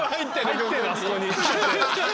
入ってるあそこに。